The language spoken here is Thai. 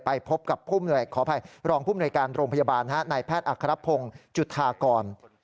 ไปพบกับผู้เหนื่อยการโรงพยาบาลนะฮะนายแพทย์อัครับพงศ์จุธากร